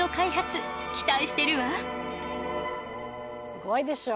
すごいでしょ？